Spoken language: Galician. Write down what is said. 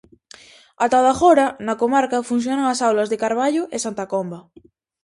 Ata o de agora, na comarca funcionan as aulas de Carballo e Santa Comba.